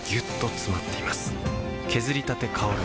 削りたて香る